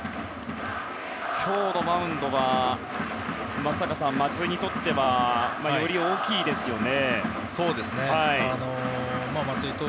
今日のマウンドは松坂さん、松井にとってはより大きいですよね。